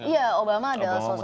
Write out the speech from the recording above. ya obama adalah sosok muslim